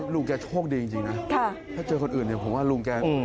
ลุงแกโชคดีจริงนะถ้าเจอคนอื่นเนี่ยผมว่าลุงแก